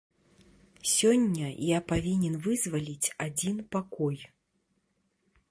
Сёння я павінен вызваліць адзін пакой.